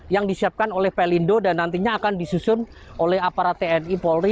yang disiapkan oleh pelindo dan nantinya akan disusun oleh aparat tni polri